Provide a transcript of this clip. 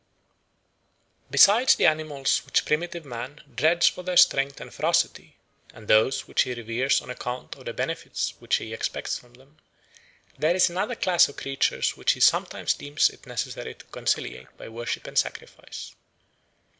Besides the animals which primitive man dreads for their strength and ferocity, and those which he reveres on account of the benefits which he expects from them, there is another class of creatures which he sometimes deems it necessary to conciliate by worship and sacrifice.